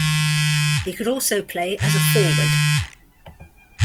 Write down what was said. He could also play as a forward.